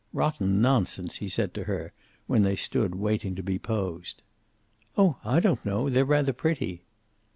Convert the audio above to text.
"Rotten nonsense," he said to her, "when they stood waiting to be posed. "Oh, I don't know. They're rather pretty."